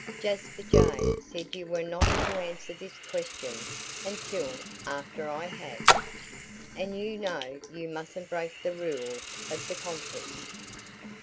"Jasper Jay said you were not to answer this question until after I had. And you know you mustn't break the rules of the contest."